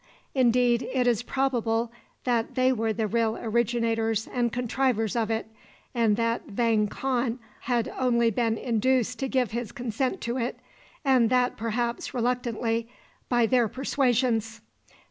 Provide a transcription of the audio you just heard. Indeed, it is probable that they were the real originators and contrivers of it, and that Vang Khan had only been induced to give his consent to it and that perhaps reluctantly by their persuasions.